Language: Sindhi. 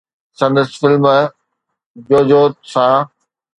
سندس فلم ”جوجود“ سان